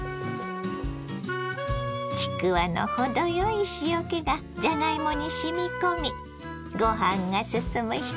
ちくわの程よい塩気がじゃがいもにしみ込みごはんが進む１品。